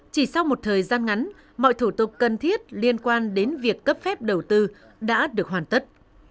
chỉ sau một thời gian ngắn mọi thủ tục cần thiết liên quan đến việc cấp phép đầu tư đã được hoàn tất